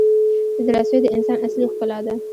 • زړه سوی د انسان اصلي ښکلا ده.